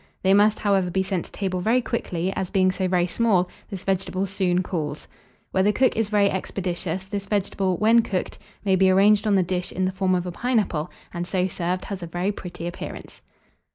They must, however, be sent to table very quickly, as, being so very small, this vegetable soon cools. Where the cook is very expeditious, this vegetable, when cooked, may be arranged on the dish in the form of a pineapple, and, so served, has a very pretty appearance.